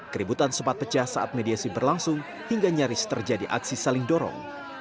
keributan sempat pecah saat mediasi berlangsung hingga nyaris terjadi aksi saling dorong